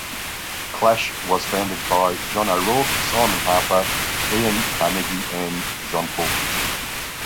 "Clash" was founded by John O'Rourke, Simon Harper, Iain Carnegie and Jon-Paul Kitching.